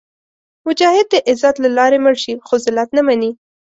مجاهد د عزت له لارې مړ شي، خو ذلت نه مني.